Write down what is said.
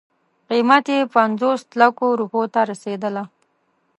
قیمت یې پنځوس لکو روپیو ته رسېدله.